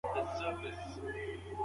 نه سمندر وي